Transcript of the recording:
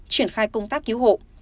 triển khai công tác cứu hộ